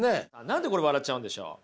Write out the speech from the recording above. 何でこれ笑っちゃうんでしょう？